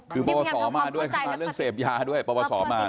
คือประวัติศพมาด้วยเรื่องเสพยาด้วยประวัติศพมา